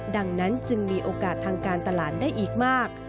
ดังนั้นจึงมีโอกาสทางการตลาดได้อีกมาก